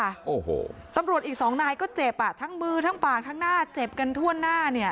โอ้โหตำรวจอีกสองนายก็เจ็บอ่ะทั้งมือทั้งปากทั้งหน้าเจ็บกันทั่วหน้าเนี่ย